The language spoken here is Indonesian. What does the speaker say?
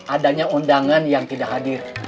adanya undangan yang tidak hadir